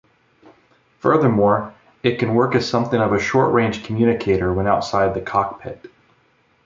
Furthermore, it can work as something of a short-range communicator when outside the cockpit.